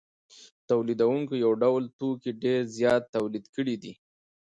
تولیدونکو یو ډول توکي ډېر زیات تولید کړي دي